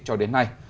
cho đến nay